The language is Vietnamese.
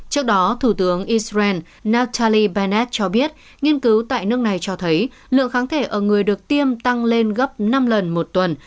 trước đó thủ tướng israel nataly beneth cho biết nghiên cứu tại nước này cho thấy lượng kháng thể ở người được tiêm tăng lên gấp năm lần một tuần